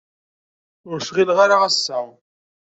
Ur cɣileɣ ara ass-a.